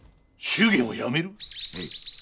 祝言をやめる？